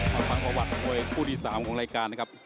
มาฟังประวัติมวยคู่ที่๓ของรายการนะครับ